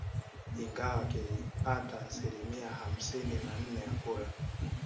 Ingawa kilipata asilimia hamsini na nne ya kura